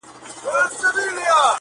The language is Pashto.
څه مي ارام پرېږده ته.